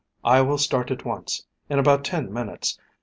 I will start at once in about ten minutes.